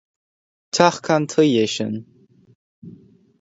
Teach ceann tuí é sin.